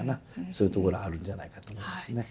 そういうところあるんじゃないかと思いますね。